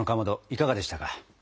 いかがでしたか？